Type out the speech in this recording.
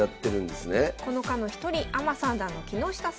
この課の一人アマ三段の木下さん。